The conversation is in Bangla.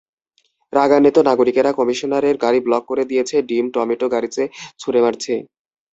রাগান্বিত নাগরিকরা কমিশনারের গাড়ি ব্লক করে দিয়েছে ডিম, টমেটো গাড়িতে ছুরে মারছে।